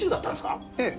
ええ。